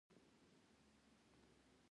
قران کریم سره مینه مو آخرت کښي کامیابه کوي.